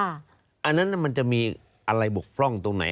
อันนั้นมันจะมีอะไรบกพร่องตรงไหน